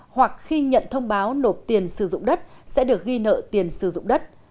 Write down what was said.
hoặc khi nhận thông báo nộp tiền sử dụng đất sẽ được ghi nợ tiền sử dụng đất